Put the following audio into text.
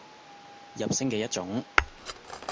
入聲嘅一種